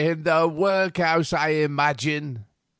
In the workhouse, I imagine."